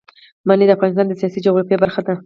منی د افغانستان د سیاسي جغرافیه برخه ده.